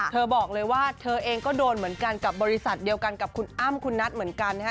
บอกเลยว่าเธอเองก็โดนเหมือนกันกับบริษัทเดียวกันกับคุณอ้ำคุณนัทเหมือนกันนะฮะ